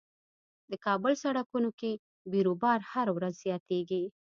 د کابل سړکونو کې بیروبار هر ورځ زياتيږي.